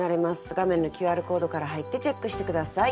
画面のＱＲコードから入ってチェックして下さい。